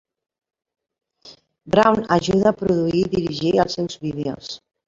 Brown ajuda a produir i dirigir els seus vídeos.